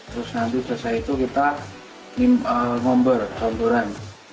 terus nanti setelah itu kita ngomber jomboran